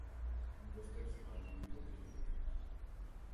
იმპოსტებს მარტივი პროფილები აქვთ.